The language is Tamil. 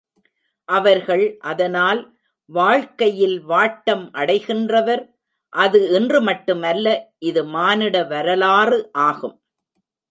அவர்கள் அதனால் வாழ்க்கை யில் வாட்டம் அடைகின்றவர் அது இன்று மட்டும் அல்ல இது மானிட வரலாறு ஆகும்.